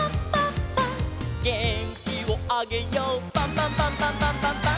「げんきをあげようパンパンパンパンパンパンパン！！」